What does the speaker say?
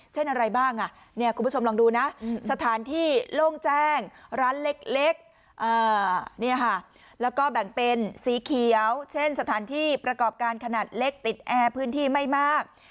เช่นอะไรบ้างคุณผู้ชมลองดูนะ